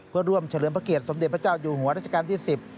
เพื่อร่วมเฉลิมพระเกียรติสมเด็จพระเจ้าอยู่หัวรัชกาลที่๑๐